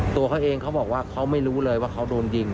ตัวเขาเองเขาบอกว่าเขาไม่รู้เลยว่าเขาโดนยิง